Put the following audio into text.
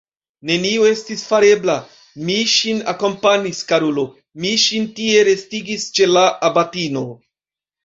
Nenio estis farebla, mi ŝin akompanis, karulo, mi ŝin tie restigis ĉe la abatino!